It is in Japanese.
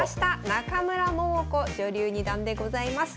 中村桃子女流二段でございます。